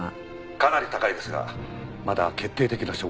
かなり高いですがまだ決定的な証拠は。